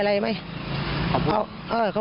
กระทั่งตำรวจก็มาด้วยนะคะ